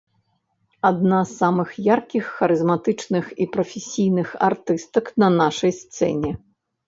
Адна з самых яркіх, харызматычных і прафесійных артыстак на нашай сцэне.